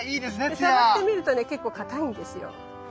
で触ってみるとね結構硬いんですよ。